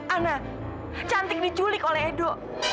ana cantik diculik oleh edo